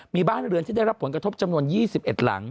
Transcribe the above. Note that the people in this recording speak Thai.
มีบ้านเรือนที่ได้รับผลกระทบจำนวน๒๑หลัง